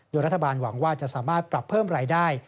โดยรัฐบาลหวังว่าจะสามารถปรับเพิ่มรายได้